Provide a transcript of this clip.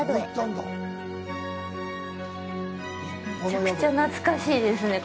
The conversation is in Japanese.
むちゃくちゃ懐かしいですね、